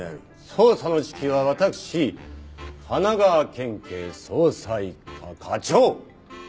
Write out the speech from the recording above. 捜査の指揮は私神奈川県警捜査一課課長見城長一郎が行う。